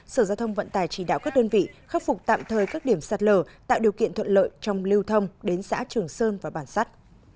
sở giao thông vận tài chỉ đạo các đơn vị khắc phục tạm thời các điểm sạt lở tạo điều kiện thuận lợi trong lưu thông đến xã trường sơn và bản sắt